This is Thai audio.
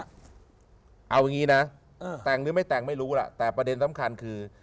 เอาอย่างนี้นะแต่งหรือไม่แต่งไม่รู้ล่ะแต่ประเด็นสำคัญคือ